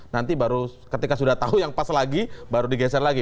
nanti baru ketika sudah tahu yang pas lagi baru digeser lagi